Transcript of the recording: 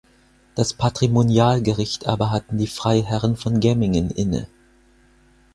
Das Patrimonialgericht aber hatten die Freiherren von Gemmingen inne.